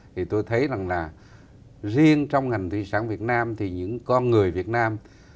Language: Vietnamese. thì tôi thấy rằng là riêng trong ngành thủy sản việt nam thì những con người việt nam